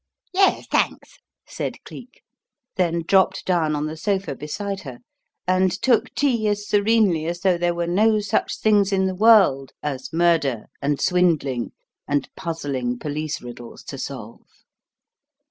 "Yes, thanks," said Cleek; then dropped down on the sofa beside her, and took tea as serenely as though there were no such things in the world as murder and swindling and puzzling police riddles to solve.